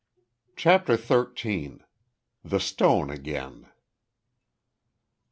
CHAPTER THIRTEEN. THE STONE AGAIN.